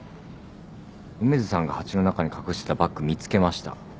梅津さんが鉢の中に隠してたバッグ見つけました。